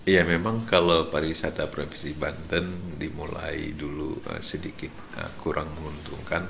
ya memang kalau pariwisata provinsi banten dimulai dulu sedikit kurang menguntungkan